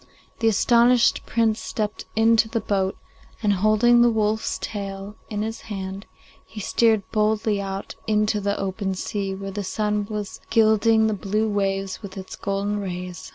The astonished Prince stepped into the boat, and, holding the wolf's tail in his hand, he steered boldly out into the open sea, where the sun was gilding the blue waves with its golden rays.